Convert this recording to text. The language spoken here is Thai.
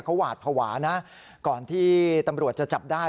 เขาหวาดภาวะนะก่อนที่ตำรวจจะจับได้